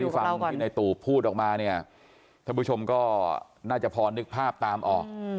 ดูเขาที่ฟังที่ในตูพูดออกมาเนี่ยคุณผู้ชมก็น่าจะพอนึกภาพตามออก